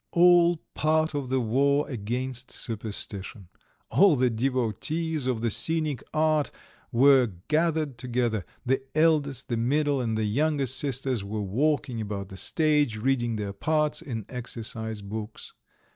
All part of the war against superstition! All the devotees of the scenic art were gathered together; the eldest, the middle, and the youngest sisters were walking about the stage, reading their parts in exercise books.